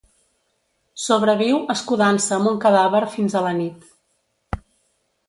Sobreviu escudant-se amb un cadàver fins a la nit.